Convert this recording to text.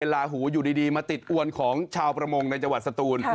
ลาหูอยู่ดีมาติดอวนของชาวประมงในจังหวัดสตูน